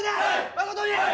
誠に。